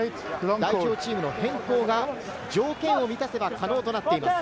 代表チームの変更が条件を満たせば可能となっています。